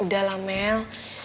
udah lah mel